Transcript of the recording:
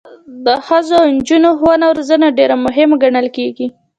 د ښځو او نجونو ښوونه او روزنه ډیره مهمه ګڼل کیږي.